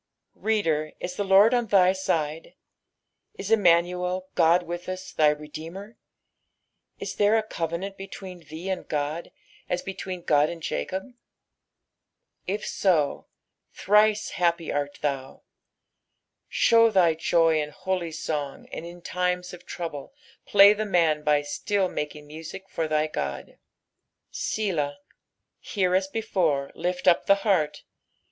i^oder, is the Lord on thj side ? Is Emmuiuel, God witb tis, thy Redeemei I Is there a covenant between thee and God n between Ood and Jacob ! If so, thrice happj art thuu. Show thy joy in hoiy toa^ tuid in times of tronble play the man by stilt loakinf music for thy God. Selah. Here as before, lift up the heart.